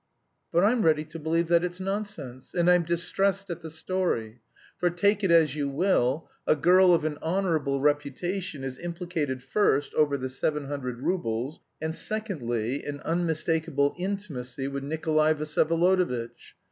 "But I'm ready to believe that it's nonsense, and I'm distressed at the story, for, take it as you will, a girl of an honourable reputation is implicated first over the seven hundred roubles, and secondly in unmistakable intimacy with Nikolay Vsyevolodovitch.